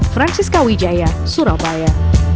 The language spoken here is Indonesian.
francisca wijaya surabaya